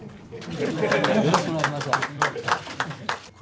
よろしくお願いします。